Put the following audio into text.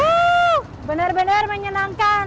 woo benar benar menyenangkan